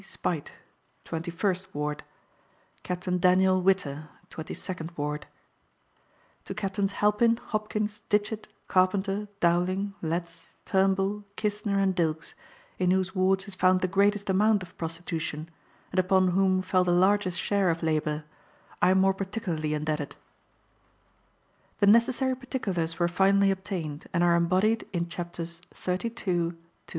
Speight, 21st "" Daniel Witter, 22d " To Captains Halpin, Hopkins, Ditchett, Carpenter, Dowling, Letts, Turnbull, Kissner, and Dilks, in whose wards is found the greatest amount of prostitution, and upon whom fell the largest share of labor, I am more particularly indebted. The necessary particulars were finally obtained, and are embodied in Chapters XXXII. to XXXVII.